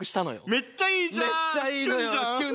めっちゃいいじゃん！